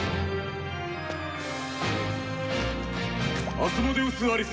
「アスモデウス・アリス！